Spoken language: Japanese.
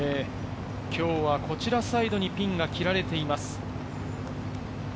今日はこちらサイドにピンが切られています。